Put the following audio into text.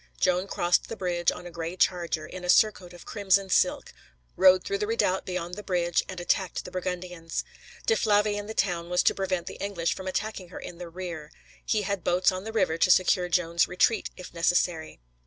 Joan crossed the bridge on a gray charger, in a surcoat of crimson silk, rode through the redoubt beyond the bridge, and attacked the Burgundians. De Flavy in the town was to prevent the English from attacking her in the rear. He had boats on the river to secure Joan's retreat, if necessary.